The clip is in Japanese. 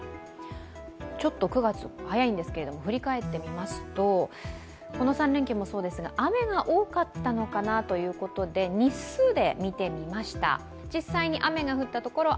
９月、ちょっと早いんですけど振り返ってみますと、この３連休もそうですが雨が多かったのかなということで日数で見てみました。